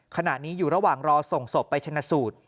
ขณะนี้อยู่ระหว่างรอส่งศพไปชนะสูตร